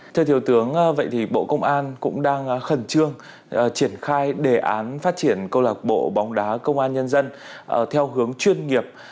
thưa thiếu tướng vậy thì bộ công an cũng đang khẩn trương triển khai đề án phát triển câu lạc bộ bóng đá công an nhân dân theo hướng chuyên nghiệp